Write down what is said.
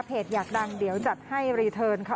อยากดังเดี๋ยวจัดให้รีเทิร์นค่ะ